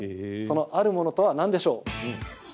その、あるものとは何でしょう？